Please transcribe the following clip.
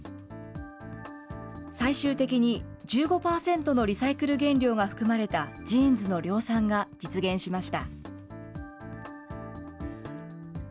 最終的に１５％のリサイクル原料が含まれたジーンズの量産が実現しました。